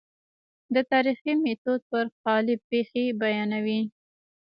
د تاریخي میتود پر قالب پېښې بیانوي.